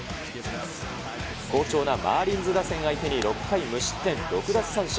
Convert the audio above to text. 好調なマーリンズ打線相手に、６回無失点６奪三振。